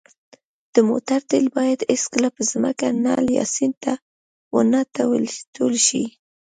د موټر تېل باید هېڅکله په ځمکه، نل، یا سیند ته ونهتوېل ش